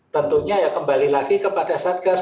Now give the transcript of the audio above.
tentunya ya kembali lagi kepada satgas